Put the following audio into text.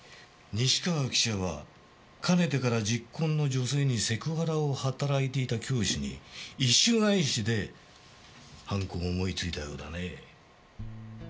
西川記者はかねてからじっ懇の女性にセクハラを働いていた教師に意趣返しで犯行を思いついたようだね。